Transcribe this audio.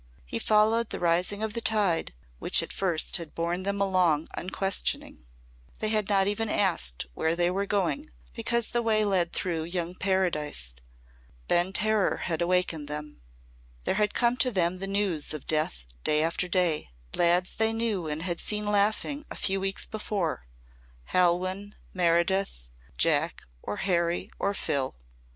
He followed the rising of the tide which at first had borne them along unquestioning. They had not even asked where they were going because the way led through young paradise. Then terror had awakened them. There had come to them the news of death day after day lads they knew and had seen laughing a few weeks before Halwyn, Meredith, Jack or Harry or Phil.